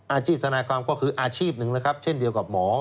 ทนายความก็คืออาชีพหนึ่งนะครับเช่นเดียวกับหมอ